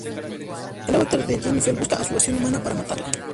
El avatar de Jennifer busca a su versión humana para matarla.